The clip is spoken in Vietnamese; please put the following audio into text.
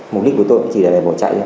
mục đích của tôi chỉ là